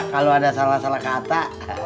kalau ada salah salah kata